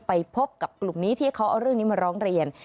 ไปพบกับกลุ่มนี้ที่เขาเอาเรื่องนี้มาร้องเรียน